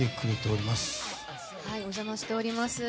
お邪魔しております。